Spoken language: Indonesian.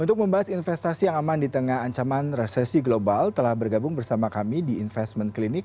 untuk membahas investasi yang aman di tengah ancaman resesi global telah bergabung bersama kami di investment clinic